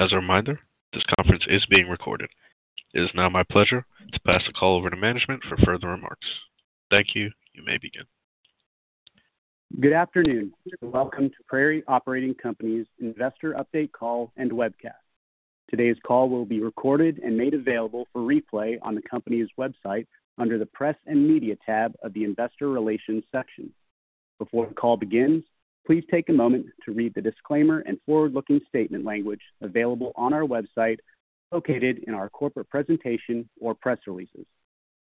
As a reminder, this conference is being recorded. It is now my pleasure to pass the call over to management for further remarks. Thank you. You may begin. Good afternoon, and welcome to Prairie Operating Company's investor update call and webcast. Today's call will be recorded and made available for replay on the company's website under the Press and Media tab of the Investor Relations section. Before the call begins, please take a moment to read the disclaimer and forward-looking statement language available on our website, located in our corporate presentation or press releases.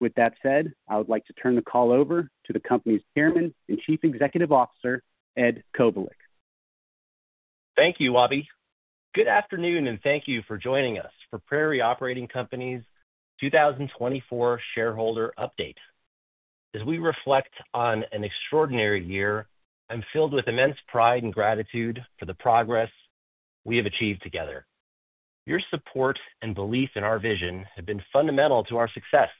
With that said, I would like to turn the call over to the company's Chairman and Chief Executive Officer, Edward Kovalik. Thank you, Wobbe. Good afternoon, and thank you for joining us for Prairie Operating Company's 2024 shareholder update. As we reflect on an extraordinary year, I'm filled with immense pride and gratitude for the progress we have achieved together. Your support and belief in our vision have been fundamental to our success,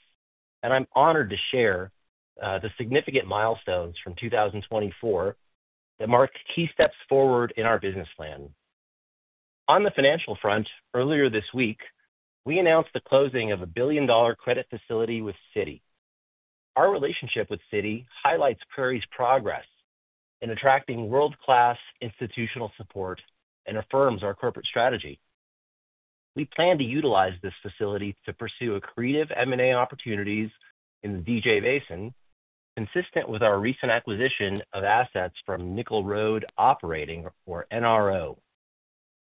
and I'm honored to share the significant milestones from 2024 that mark key steps forward in our business plan. On the financial front, earlier this week, we announced the closing of a $1 billion credit facility with Citi. Our relationship with Citi highlights Prairie's progress in attracting world-class institutional support and affirms our corporate strategy. We plan to utilize this facility to pursue accretive M&A opportunities in the DJ Basin, consistent with our recent acquisition of assets from Nickel Road Operating, or NRO.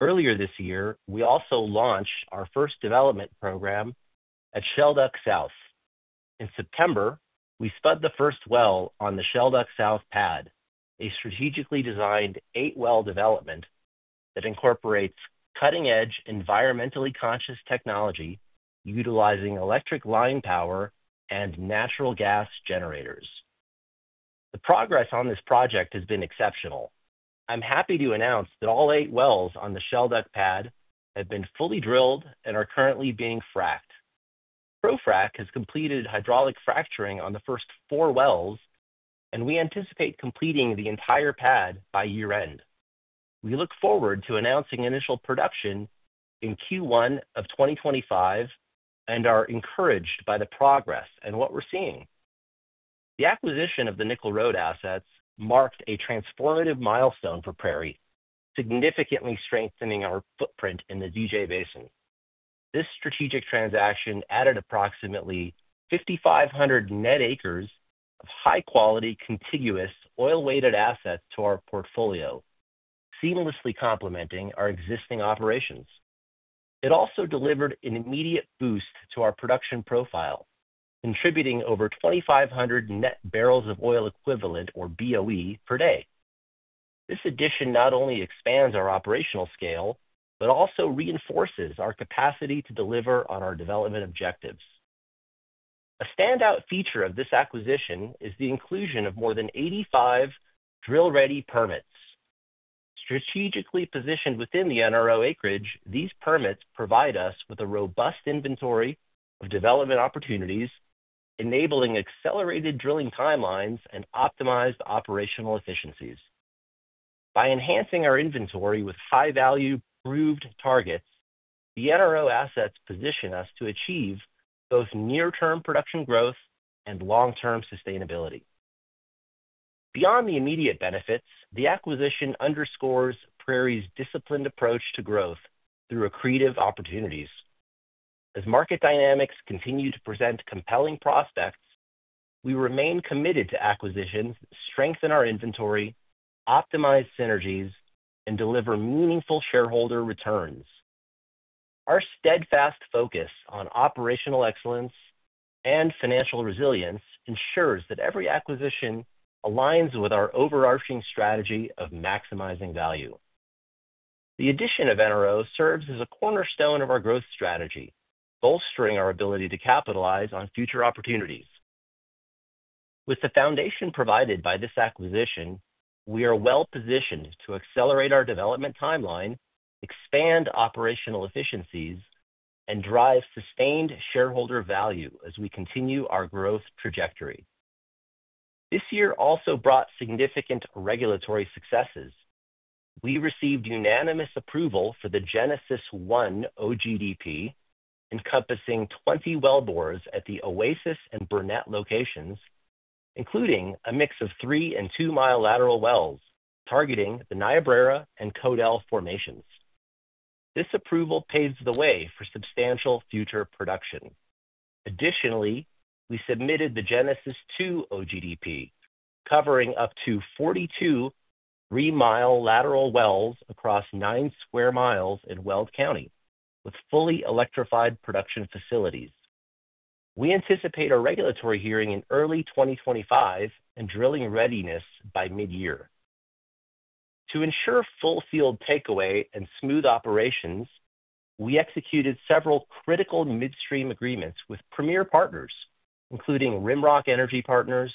Earlier this year, we also launched our first development program at Shelduck South. In September, we spun the first well on the Shelduck South pad, a strategically designed eight-well development that incorporates cutting-edge, environmentally conscious technology utilizing electric line power and natural gas generators. The progress on this project has been exceptional. I'm happy to announce that all eight wells on the Shelduck pad have been fully drilled and are currently being fracked. ProFrac has completed hydraulic fracturing on the first four wells, and we anticipate completing the entire pad by year-end. We look forward to announcing initial production in Q1 of 2025 and are encouraged by the progress and what we're seeing. The acquisition of the Nickel Road assets marked a transformative milestone for Prairie, significantly strengthening our footprint in the DJ Basin. This strategic transaction added approximately 5,500 net acres of high-quality, contiguous, oil-weighted assets to our portfolio, seamlessly complementing our existing operations. It also delivered an immediate boost to our production profile, contributing over 2,500 net barrels of oil equivalent, or BOE, per day. This addition not only expands our operational scale but also reinforces our capacity to deliver on our development objectives. A standout feature of this acquisition is the inclusion of more than 85 drill-ready permits. Strategically positioned within the NRO acreage, these permits provide us with a robust inventory of development opportunities, enabling accelerated drilling timelines and optimized operational efficiencies. By enhancing our inventory with high-value, proved targets, the NRO assets position us to achieve both near-term production growth and long-term sustainability. Beyond the immediate benefits, the acquisition underscores Prairie's disciplined approach to growth through accretive opportunities. As market dynamics continue to present compelling prospects, we remain committed to acquisitions that strengthen our inventory, optimize synergies, and deliver meaningful shareholder returns. Our steadfast focus on operational excellence and financial resilience ensures that every acquisition aligns with our overarching strategy of maximizing value. The addition of NRO serves as a cornerstone of our growth strategy, bolstering our ability to capitalize on future opportunities. With the foundation provided by this acquisition, we are well-positioned to accelerate our development timeline, expand operational efficiencies, and drive sustained shareholder value as we continue our growth trajectory. This year also brought significant regulatory successes. We received unanimous approval for the Genesis One OGDP, encompassing 20 wellbores at the Oasis and Burnett locations, including a mix of three and two-mile lateral wells targeting the Niobrara and Codell formations. This approval paved the way for substantial future production. Additionally, we submitted the Genesis Two OGDP, covering up to 42 three-mile lateral wells across nine sq mi in Weld County, with fully electrified production facilities. We anticipate a regulatory hearing in early 2025 and drilling readiness by mid-year. To ensure full-field takeaway and smooth operations, we executed several critical midstream agreements with premier partners, including Rimrock Energy Partners,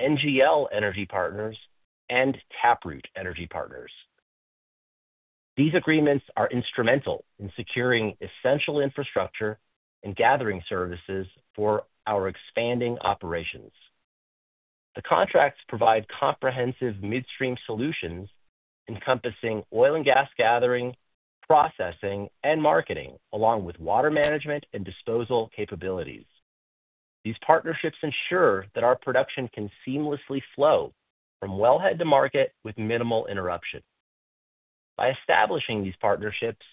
NGL Energy Partners, and Taproot Energy Partners. These agreements are instrumental in securing essential infrastructure and gathering services for our expanding operations. The contracts provide comprehensive midstream solutions encompassing oil and gas gathering, processing, and marketing, along with water management and disposal capabilities. These partnerships ensure that our production can seamlessly flow from wellhead to market with minimal interruption. By establishing these partnerships,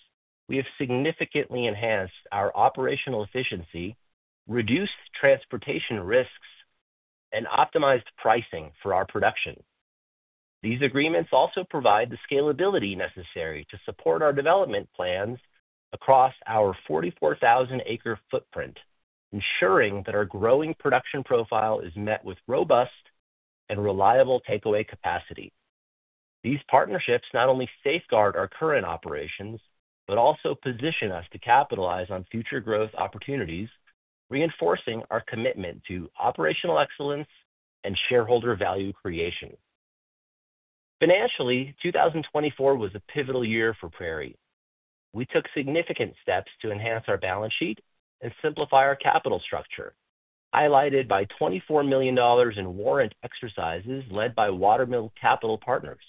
we have significantly enhanced our operational efficiency, reduced transportation risks, and optimized pricing for our production. These agreements also provide the scalability necessary to support our development plans across our 44,000-acre footprint, ensuring that our growing production profile is met with robust and reliable takeaway capacity. These partnerships not only safeguard our current operations but also position us to capitalize on future growth opportunities, reinforcing our commitment to operational excellence and shareholder value creation. Financially, 2024 was a pivotal year for Prairie. We took significant steps to enhance our balance sheet and simplify our capital structure, highlighted by $24 million in warrant exercises led by Watermill Capital Partners.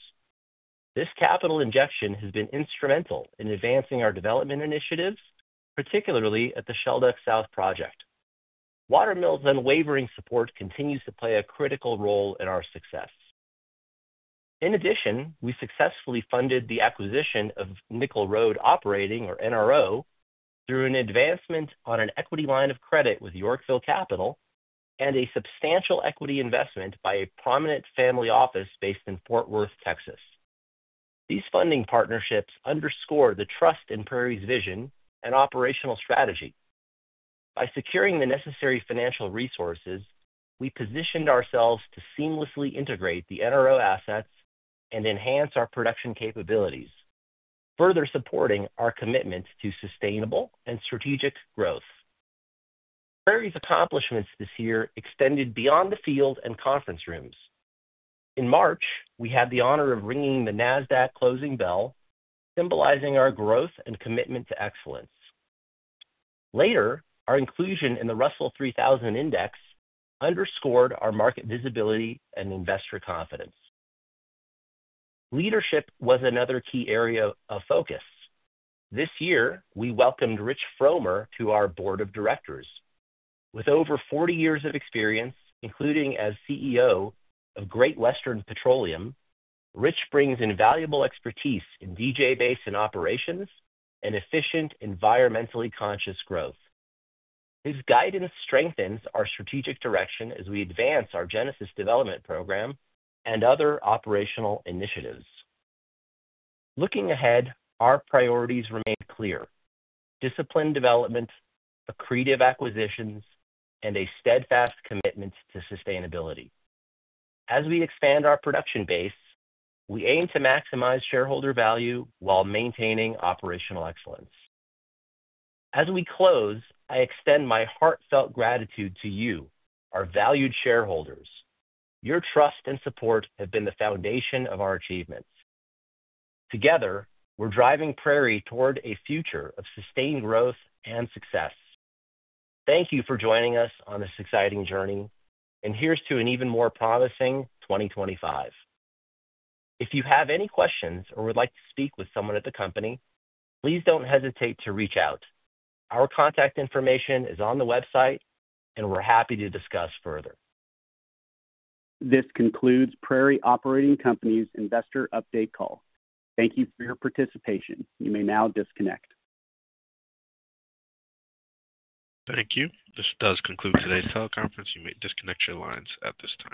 This capital injection has been instrumental in advancing our development initiatives, particularly at the Shelduck South project. Watermill's unwavering support continues to play a critical role in our success. In addition, we successfully funded the acquisition of Nickel Road Operating, or NRO, through an advancement on an equity line of credit with Yorkville Capital and a substantial equity investment by a prominent family office based in Fort Worth, Texas. These funding partnerships underscored the trust in Prairie's vision and operational strategy. By securing the necessary financial resources, we positioned ourselves to seamlessly integrate the NRO assets and enhance our production capabilities, further supporting our commitment to sustainable and strategic growth. Prairie's accomplishments this year extended beyond the field and conference rooms. In March, we had the honor of ringing the Nasdaq closing bell, symbolizing our growth and commitment to excellence. Later, our inclusion in the Russell 3000 Index underscored our market visibility and investor confidence. Leadership was another key area of focus. This year, we welcomed Rich Frommer to our board of directors. With over 40 years of experience, including as CEO of Great Western Petroleum, Rich brings invaluable expertise in DJ Basin operations and efficient, environmentally conscious growth. His guidance strengthens our strategic direction as we advance our Genesis development program and other operational initiatives. Looking ahead, our priorities remain clear: discipline development, accretive acquisitions, and a steadfast commitment to sustainability. As we expand our production base, we aim to maximize shareholder value while maintaining operational excellence. As we close, I extend my heartfelt gratitude to you, our valued shareholders. Your trust and support have been the foundation of our achievements. Together, we're driving Prairie toward a future of sustained growth and success. Thank you for joining us on this exciting journey, and here's to an even more promising 2025. If you have any questions or would like to speak with someone at the company, please don't hesitate to reach out. Our contact information is on the website, and we're happy to discuss further. This concludes Prairie Operating Company's investor update call. Thank you for your participation. You may now disconnect. Thank you. This does conclude today's teleconference. You may disconnect your lines at this time.